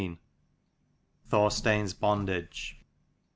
THOR STEIN'S BONDAGE.